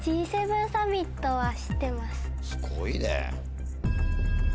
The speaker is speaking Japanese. すごいね。